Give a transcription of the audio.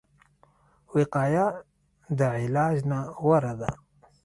وقایه د علاج نه غوره ده